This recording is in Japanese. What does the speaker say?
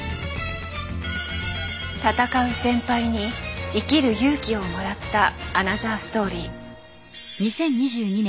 闘う先輩に生きる勇気をもらったアナザーストーリー。